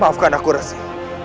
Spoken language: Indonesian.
maafkan aku resmi